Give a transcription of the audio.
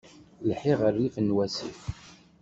Lḥiɣ rrif n wasif.